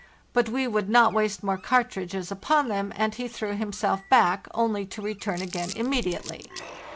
But we would not waste more cartridges upon them, and he threw himself .) back, only to return again immediately.